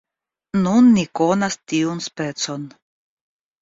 Nun mi konas tiun specon.